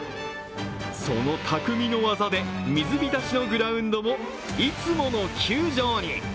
その匠の技で水浸しのグラウンドもいつもの球場に。